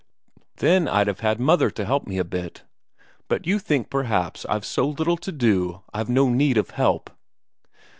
Then I'd have had mother to help me a bit. But you think, perhaps, I've so little to do, I've no need of help?"